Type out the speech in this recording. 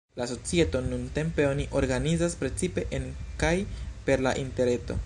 La societon nuntempe oni organizas precipe en kaj per la interreto.